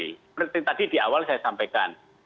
seperti tadi di awal saya sampaikan